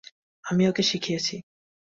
আমিই ওকে শিখিয়েছি।